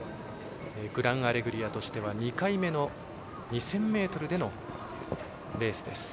グランアレグリアとしては２回目の２０００ｍでのレース。